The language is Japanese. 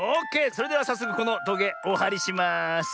それではさっそくこのトゲおはりします。